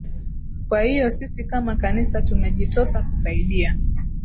kwa hiyo sisi kama kanisa tumejitosa kusaidia